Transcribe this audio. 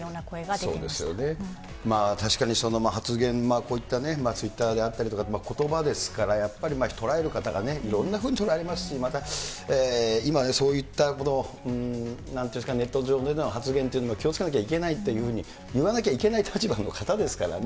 そうですよね、確かに、発言、こういったね、ツイッターであったりとか、ことばですからやっぱり捉える方がいろんなふうに捉えますし、また、今、そういった、なんていうんですかね、ネット上での発言っていうのも気をつけなきゃいけないというふうにいわなきゃいけない立場の方ですからね。